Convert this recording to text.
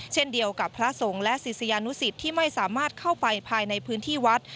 เช่นเดียวกับพระสงฆ์และศิษยานุสิตที่ไม่สามารถเข้าไปภายในพื้นที่วัด